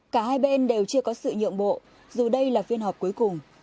cả hai bên đều chưa có sự nhượng bộ dù đây là phiên họp cuối cùng